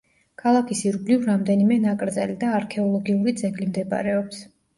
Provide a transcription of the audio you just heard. ქალაქის ირგვლივ რამდენიმე ნაკრძალი და არქეოლოგიური ძეგლი მდებარეობს.